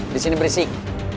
di sini berisik